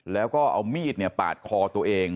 แล้วก็เอามีดปาดคอตัวเอง